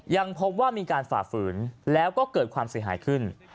ยังพบว่ามีการฝ่าฝืนแล้วก็เกิดความเสียหายขึ้น